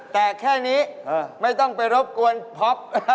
แต่แค่นี้ไม่ต้องไปรบกวนพ็อป